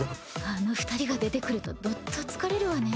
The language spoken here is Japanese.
あの二人が出てくるとどっと疲れるわね。